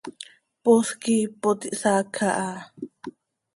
Poosj quih ipot ihsaacj aha.